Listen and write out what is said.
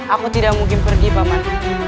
aku tidak mungkin pergi paman